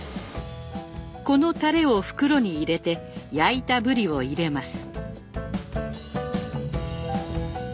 このたれを袋に入れて焼いたブリを入れます。